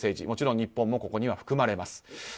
もちろん日本もここには含まれます。